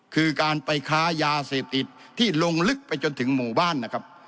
คือการไปค้ายาเสพติดที่ลงลึกไปจนถึงหมู่บ้านนะครับ